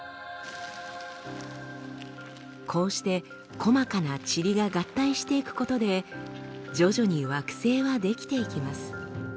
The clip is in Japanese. こうして細かなチリが合体していくことで徐々に惑星は出来ていきます。